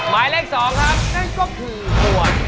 ไม่กินเป็นร้อย